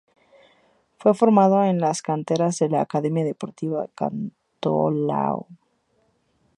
Fue formado en las canteras de la Academia Deportiva Cantolao.